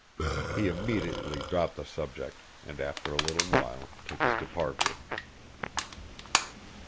He immediately dropped the subject and after a little while took his departure.